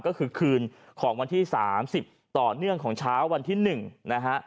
ก็คือคืนของวันที่๓๐ต่อเนื่องของเช้าวันที่๑นะฮะ